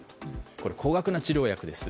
これ、高額な治療薬です。